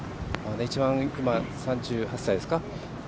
今、３８歳ですか。